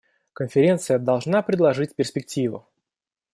Конференция должна предложить перспективу.